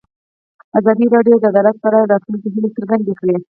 ازادي راډیو د عدالت په اړه د راتلونکي هیلې څرګندې کړې.